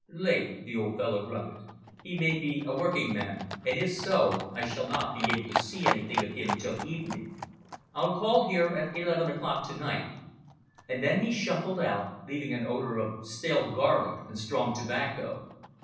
"Late," the old fellow grunted. "He may be a working man, and if so I shall not be able to see anything of him till evening. I'll call here at eleven o'clock to night," and then he shuffled out, leaving an odour of stale garlic and strong tobacco.